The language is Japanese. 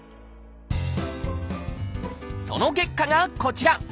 その結果がこちら。